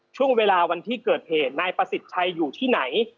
ช่วงเวลาวันที่เกิดเหตุนายประสิทธิ์ชัยอยู่ที่ไหน